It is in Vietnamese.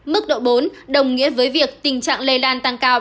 mức độ bốn đồng nghĩa với việc tình trạng lây lan tăng cao